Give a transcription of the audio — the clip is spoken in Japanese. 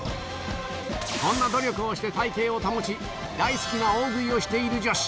そんな努力をして体形を保ち、大好きな大食いをしている女子。